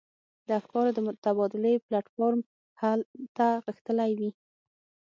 د افکارو د تبادلې پلاټ فورم هلته غښتلی وي.